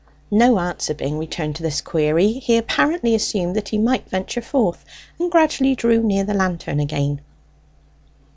No answer being returned to this query, he apparently assumed that he might venture forth, and gradually drew near the lantern again.